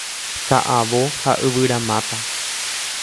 Ka'avo ha yvyramáta.